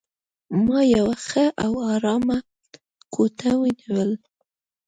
ما یوه ښه او آرامه کوټه ونیول.